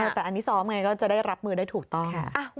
แต่อันนี้ซ้อมไงก็จะได้รับมือได้ถูกต้อง